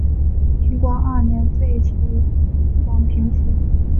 民国二年废除广平府。